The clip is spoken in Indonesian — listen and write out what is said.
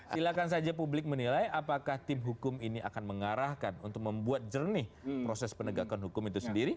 silahkan saja publik menilai apakah tim hukum ini akan mengarahkan untuk membuat jernih proses penegakan hukum itu sendiri